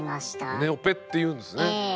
「胸オペ」っていうんですね。